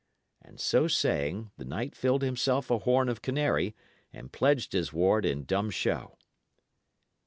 And so saying, the knight filled himself a horn of canary, and pledged his ward in dumb show.